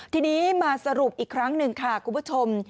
ทีนี้มาสรุปอีกครั้งหนึ่งค่ะคุณผู้ชม